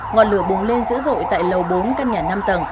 ngọn lửa bùng lên dữ dội tại lầu bốn căn nhà năm tầng